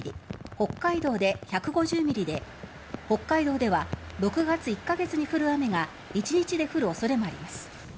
北海道で１５０ミリで北海道では６月１か月に降る雨が１日で降る恐れもあります。